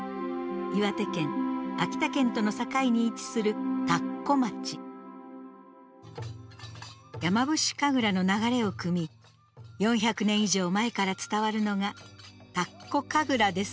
岩手県秋田県との境に位置する山伏神楽の流れをくみ４００年以上前から伝わるのが「田子神楽」です。